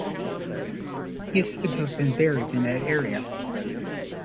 He is said to have been buried in the area.